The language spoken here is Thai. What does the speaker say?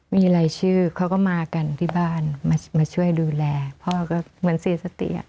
มีรายชื่อเขาก็มากันที่บ้านมาช่วยดูแลพ่อก็เหมือนเสียสติ